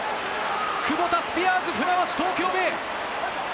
クボタスピアーズ船橋・東京ベイ。